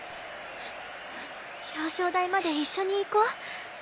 表彰台まで一緒に行こう？